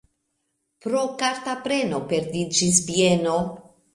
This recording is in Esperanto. Pro karta preno perdiĝis bieno.